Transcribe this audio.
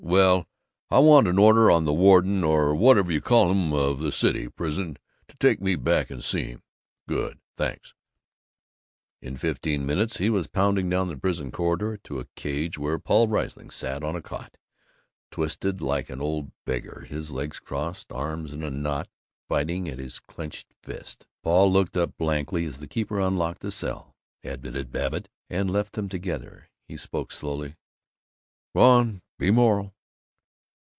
Well, I want an order on the warden or whatever you call um of the City Prison to take me back and see him. Good. Thanks." In fifteen minutes he was pounding down the prison corridor to a cage where Paul Riesling sat on a cot, twisted like an old beggar, legs crossed, arms in a knot, biting at his clenched fist. Paul looked up blankly as the keeper unlocked the cell, admitted Babbitt, and left them together. He spoke slowly: "Go on! Be moral!"